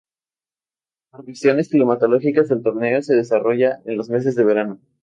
Por cuestiones climatológicas, el torneo se desarrolla en los meses de verano.